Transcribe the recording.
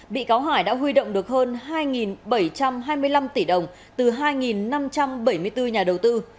bị cáo hải đã huy động được hơn hai bảy trăm hai mươi năm tỷ đồng từ hai năm trăm bảy mươi bốn nhà đầu tư